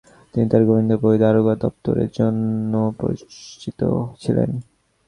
তিনি তাঁর গোয়েন্দা বই “দারোগার দপ্তর”-এর জন্য পরিচিত ছিলেন।